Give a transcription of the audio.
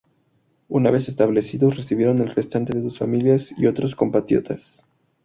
Una vez establecidos, recibieron el restante de sus familias y otros compatriotas.